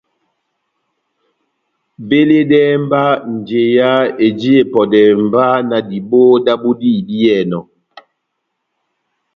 Veledɛhɛ mba njeya eji epɔdɛhɛ mba na diboho dábu dihibiyɛnɔ.